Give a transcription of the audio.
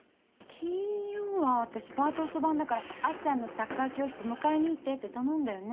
金曜は私パート遅番だからあっちゃんのサッカー教室迎えに行ってって頼んだよね？